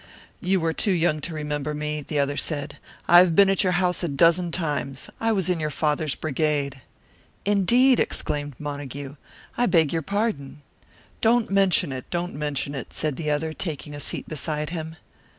"You were too young to remember me," the other said. "I have been at your house a dozen times. I was in your father's brigade." "Indeed!" exclaimed Montague. "I beg your pardon." "Don't mention it, don't mention it," said the other, taking a seat beside him.